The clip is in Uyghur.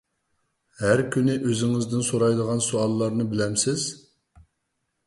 ھەر كۈنى ئۆزىڭىزدىن سورايدىغان سوئاللارنى بىلەمسىز؟